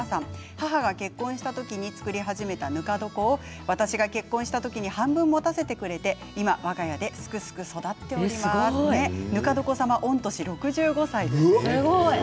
母が結婚した時に作り始めたぬか床を私が結婚した時に半分、持たせてくれて今わが家ですくすく育っていますということです。